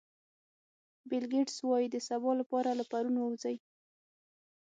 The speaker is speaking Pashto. بیل ګېټس وایي د سبا لپاره له پرون ووځئ.